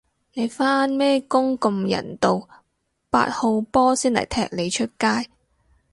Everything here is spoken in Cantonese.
你返咩工咁人道，八號波先嚟踢你出街